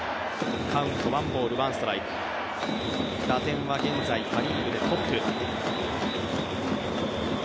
打点は現在、パ・リーグでトップ。